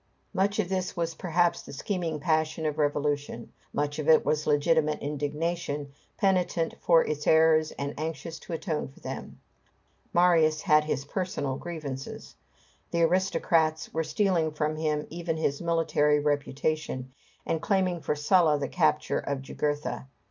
Much of this was perhaps the scheming passion of revolution; much of it was legitimate indignation, penitent for its errors and anxious to atone for them. Marius had his personal grievances. The aristocrats were stealing from him even his military reputation, and claiming for Sulla the capture of Jugurtha.